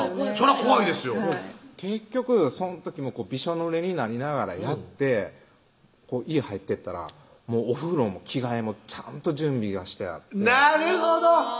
はい結局その時もびしょ濡れになりながらやって家入ってったらお風呂も着替えもちゃんと準備がしてあってなるほど！